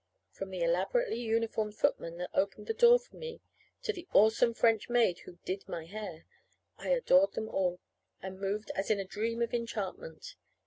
From the elaborately uniformed footman that opened the door for me to the awesome French maid who "did" my hair, I adored them all, and moved as in a dream of enchantment.